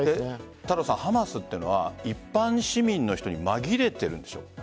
ハマスは、一般市民の人に紛れているんでしょ？